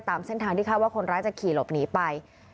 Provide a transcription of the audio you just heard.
ตามเส้นทางที่คาดว่าคนร้ายจะขี่หลบหนีไป